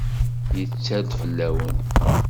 Yetter-d fell-awen.